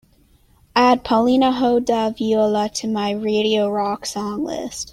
add paulinho da viola to my Radio Rock song list